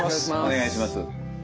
お願いします。